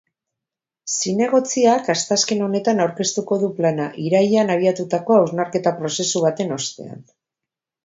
Zinegotziak asteazken honetan aurkeztu du plana, irailean abiatutako hausnarketa prozesu baten ostean.